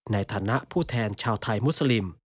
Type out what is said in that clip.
ในฐานะผู้แทนชาวไทยมุสลิม